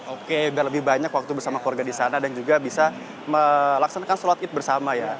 oke biar lebih banyak waktu bersama keluarga di sana dan juga bisa melaksanakan sholat id bersama ya